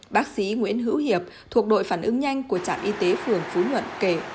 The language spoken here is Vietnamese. bác sĩ nguyễn hữu hiệp thuộc đội phản ứng nhanh của trạm y tế phường phú nhuận kể